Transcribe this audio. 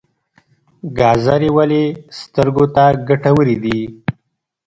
ګازرې ولې سترګو ته ګټورې دي؟